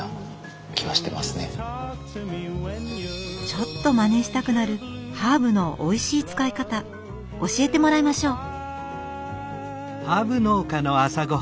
ちょっとまねしたくなるハーブのおいしい使い方教えてもらいましょう。